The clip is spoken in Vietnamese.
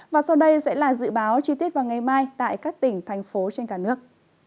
và sau đây sẽ là dự báo chi tiết vào ngày mai tại các tỉnh thành phố trên cả nước